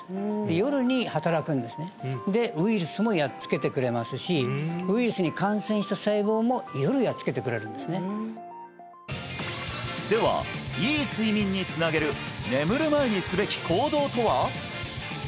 夜に働くんですねでウイルスもやっつけてくれますしウイルスに感染した細胞も夜やっつけてくれるんですねではいい睡眠につなげる眠る前にすべき行動とは？